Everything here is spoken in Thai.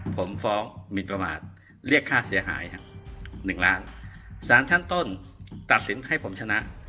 ผมฟ้องหมินประมาทเรียกค่าเสียหายหนึ่งล้านสารชั้นต้นตัดสินให้ผมชนะ